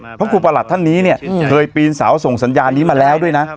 เพราะครูประหลัดท่านนี้เนี่ยเคยปีนเสาส่งสัญญาณนี้มาแล้วด้วยนะ